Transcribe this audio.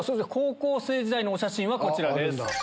高校生時代のお写真はこちらです。